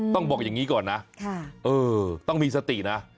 ต้องบอกอย่างนี้ก่อนนะต้องมีสตินะ